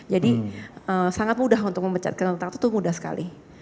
jadi sangat mudah untuk memecatkan kontraktor itu mudah sekali